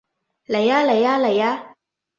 嚟吖嚟吖嚟吖